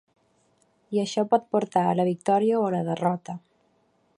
I això pot portar a la victòria o a la derrota.